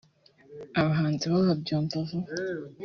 abahanzi bo babyumva vuba